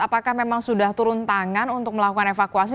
apakah memang sudah turun tangan untuk melakukan evakuasi